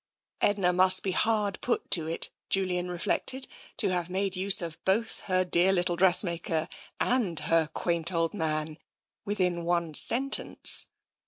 Edna must be hard put to it, Julian reflected, to have made use of both her dear little dressmaker and her quaint old man within one sentence.